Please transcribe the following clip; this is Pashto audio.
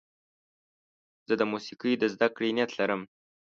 زه د موسیقۍ د زدهکړې نیت لرم.